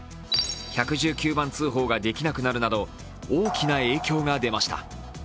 １１９番通報ができなくなるなど大きな影響が出ました。